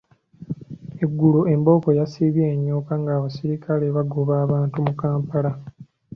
Eggulo embooko yasiibye enyooka ng’abasirikale bagoba abantu mu Kampala.